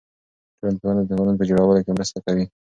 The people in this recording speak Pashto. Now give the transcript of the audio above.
ټولنپوهنه د قانون په جوړولو کې مرسته کوي.